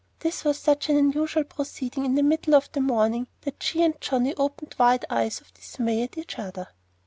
This was such an unusual proceeding in the middle of the morning that she and Johnnie opened wide eyes of dismay at each other.